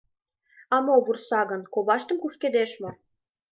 — А мо... вурса гын, коваштым кушкедеш мо?..